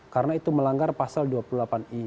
karena itu melanggar pasal dua puluh delapan i